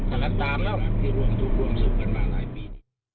สามแล้วสามแล้วที่ร่วมทุกร่วมสุขกันมาหลายปี